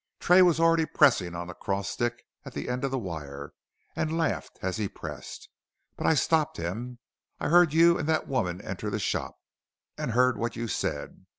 Tray was already pressing on the cross stick at the end of the wire, and laughed as he pressed. But I stopped him. I heard you and that woman enter the shop, and heard what you said.